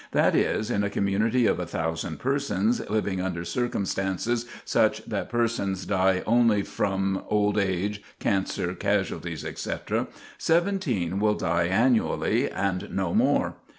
That is, in a community of 1,000 persons living under circumstances such that persons die only from old age, cancer, casualties, etc., 17 will die annually, and no more.